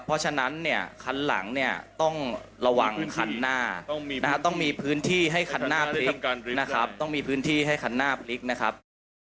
เพราะฉะนั้นเนี่ยคันหลังเนี่ยต้องระวังคันหน้าต้องมีพื้นที่ให้คันหน้าพลิกนะครับ